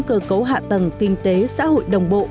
cơ cấu hạ tầng kinh tế xã hội đồng bộ